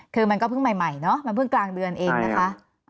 คือมันก็เพิ่งใหม่เนอะมันเพิ่งกลางเดือนเองนะคะ